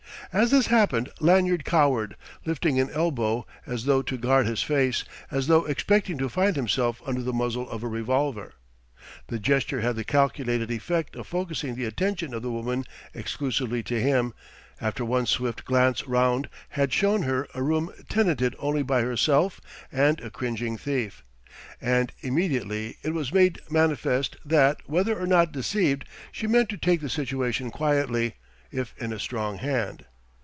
As this happened, Lanyard cowered, lifting an elbow as though to guard his face as though expecting to find himself under the muzzle of a revolver. The gesture had the calculated effect of focussing the attention of the woman exclusively to him, after one swift glance round had shown her a room tenanted only by herself and a cringing thief. And immediately it was made manifest that, whether or not deceived, she meant to take the situation quietly, if in a strong hand.